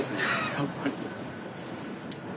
やっぱり。